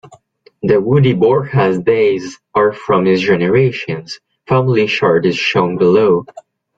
Dawoodi Bohra Dai's are from his generations, family chart is shown below.